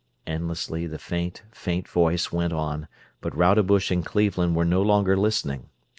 Endlessly the faint, faint voice went on, but Rodebush and Cleveland were no longer listening.